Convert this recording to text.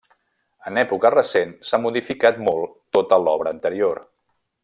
En època recent s'ha modificat molt tota l'obra anterior.